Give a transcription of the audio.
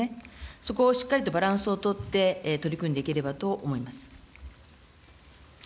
そこをしっかりとバランスを取って取り組んでいければと思います。